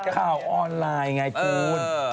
ข่าวออนไลน์ไงคุณ